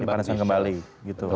dipanaskan kembali gitu